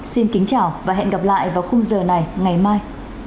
xin kính chào và hẹn gặp lại vào khung giờ này ngày mai